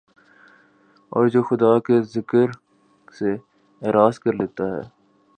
اور جو خدا کے ذکر سے اعراض کر لیتا ہے